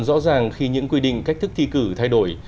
rõ ràng khi những quy định cách thức thi cử thay đổi